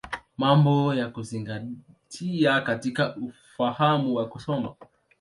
Mambo ya Kuzingatia katika Ufahamu wa Kusoma.